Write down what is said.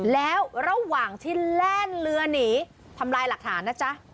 แล้วระหว่างที่แล่นเรือหนีทำลายหลักฐานนะจ๊ะ